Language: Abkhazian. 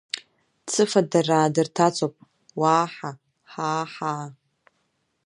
Цыфадараа дырҭацоуп, уаа-ҳа, ҳаа-ҳаа!